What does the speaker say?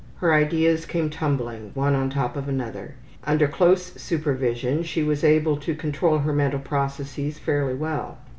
Her ideas came tumbling, one on top of another. Under close supervision she was able to control her mental processes fairly well.